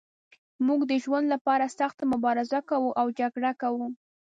موږ د ژوند لپاره سخته مبارزه کوو او جګړه کوو.